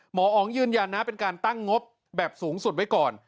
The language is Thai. หมออ๋องยืนยันนะเป็นการตั้งงบแบบสูงสุดไว้ก่อน